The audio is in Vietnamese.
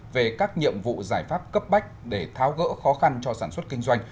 về các nhiệm vụ giải pháp cấp bách để tháo gỡ khó khăn cho sản xuất kinh doanh